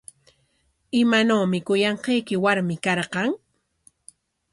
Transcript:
¿Imanawmi kuyanqayki warmi karqan?